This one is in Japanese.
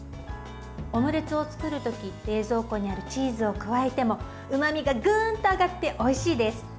オムレツを作る時冷蔵庫にあるチーズを加えてもうまみがぐんと上がっておいしいです。